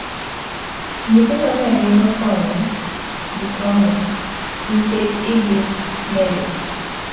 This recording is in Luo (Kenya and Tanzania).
Nyithindo ne ringo koni gi koni nikech igi ne lit.